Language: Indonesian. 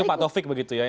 itu pak taufik begitu ya